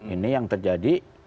ini yang terjadi